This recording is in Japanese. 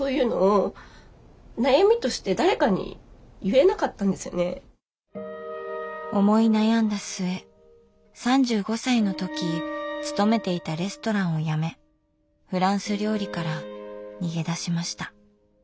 あのその思い悩んだ末３５歳の時勤めていたレストランを辞めフランス料理から逃げ出しました。